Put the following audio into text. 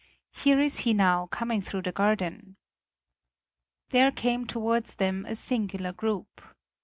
"Here is he now coming through the garden." There came towards them a singular group.